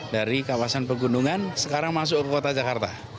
dari kawasan pegunungan sekarang masuk ke kota jakarta